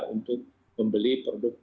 untuk membeli produk